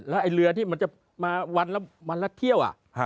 ไอ้เรือที่มันจะมาวันละเที่ยว